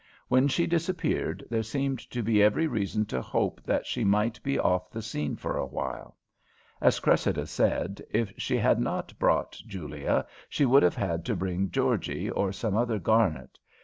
When she disappeared, there seemed to be every reason to hope that she might be off the scene for awhile. As Cressida said, if she had not brought Julia, she would have had to bring Georgie, or some other Garnet.